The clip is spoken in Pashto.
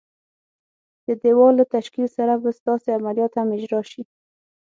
د دېوال له تشکیل سره به ستاسي عملیات هم اجرا شي.